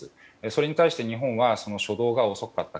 それに対して日本はその初動が遅かった。